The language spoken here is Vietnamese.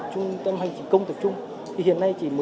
thủ tục nhất định thế